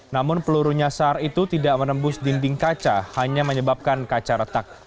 namun peluru nyasar itu tidak menembus dinding kaca hanya menyebabkan kaca retak